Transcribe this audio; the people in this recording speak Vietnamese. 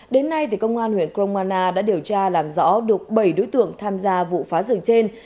đến nay công an huyện kromana đã điều tra làm rõ được bảy đối tượng tham gia vụ phá rừng trên